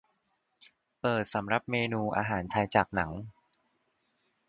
เปิดสำรับเมนูอาหารไทยจากหนัง